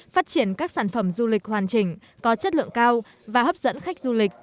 phát triển các sản phẩm du lịch hoàn chỉnh có chất lượng cao và hấp dẫn khách du lịch